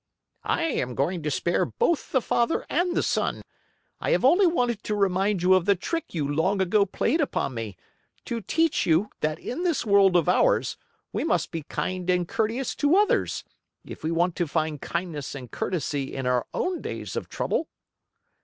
"I am going to spare both the father and the son. I have only wanted to remind you of the trick you long ago played upon me, to teach you that in this world of ours we must be kind and courteous to others, if we want to find kindness and courtesy in our own days of trouble."